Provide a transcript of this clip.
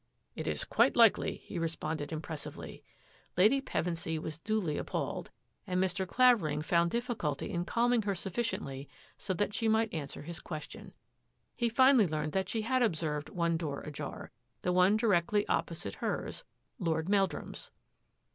"" It is quite likely," he responded impressiv Lady Pevensy was duly appalled and Clavering found difficulty in calming her sufficit so that she might answer his question. He fii learned that she had observed one door ajar one directly opposite hers — Lord Meldrum's.